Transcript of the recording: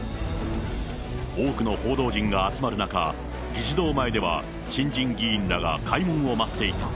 多くの報道陣が集まる中、議事堂前では新人議員らが開門を待っていた。